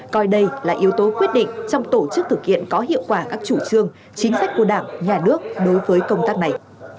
coi đây là yếu tố quyết định trong tổ chức thực hiện có hiệu quả các chủ trương chính sách của đảng nhà nước đối với công tác này